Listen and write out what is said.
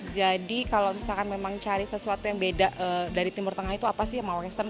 jadi kalau misalkan memang cari sesuatu yang beda dari timur tengah itu apa sih sama western